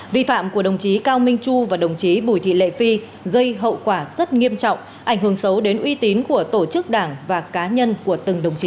vi phạm của đồng chí cao minh chu và đồng chí bùi thị lệ phi gây hậu quả rất nghiêm trọng ảnh hưởng xấu đến uy tín của tổ chức đảng và cá nhân của từng đồng chí